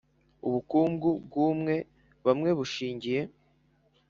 Ubukungu bw umwe bamwe bushingiye